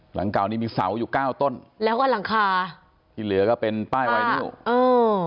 หลังเก่านี้มีเสาอยู่เก้าต้นแล้วก็หลังคาที่เหลือก็เป็นป้ายไวนิวเออ